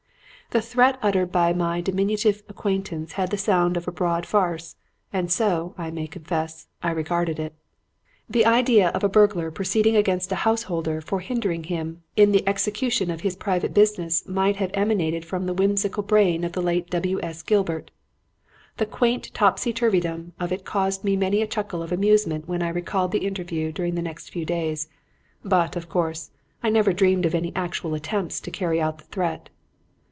"The threat uttered by my diminutive acquaintance had the sound of broad farce, and so, I may confess, I regarded it. The idea of a burglar proceeding against a householder for hindering him in the execution of his private business might have emanated from the whimsical brain of the late W.S. Gilbert. The quaint topsy turveydom of it caused me many a chuckle of amusement when I recalled the interview during the next few days; but, of course, I never dreamed of any actual attempt to carry out the threat.